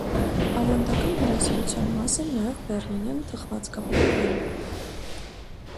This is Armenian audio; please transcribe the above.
Ավանդական հյուրասիրության մաս են նաև բեռլինյան թխվածքաբլիթները։